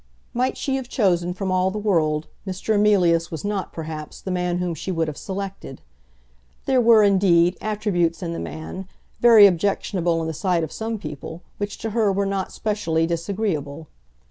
Might she have chosen from all the world, Mr. Emilius was not, perhaps, the man whom she would have selected. There were, indeed, attributes in the man, very objectionable in the sight of some people, which to her were not specially disagreeable.